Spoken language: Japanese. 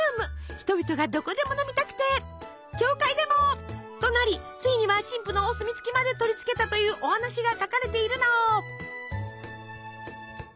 人々がどこでも飲みたくて「教会でも！」となりついには神父のお墨付きまでとりつけたというお話が書かれているの。